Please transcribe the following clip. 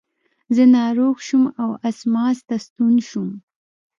زه ناروغ شوم او اسماس ته ستون شوم.